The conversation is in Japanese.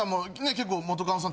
結構元カノさん